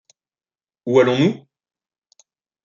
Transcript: Où allons-nous ?